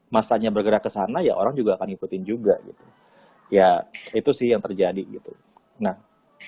masanya bergerak ke sana ya orang juga akan ikutin juga gitu ya itu sih yang terjadi gitu nah